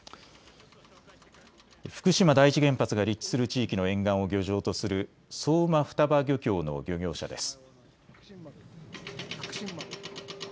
福島第一原発が立地する地域の沿岸を漁場とする相馬双葉漁協の漁業者です。